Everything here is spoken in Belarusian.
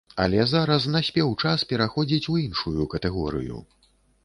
Але зараз наспеў час пераходзіць у іншую катэгорыю.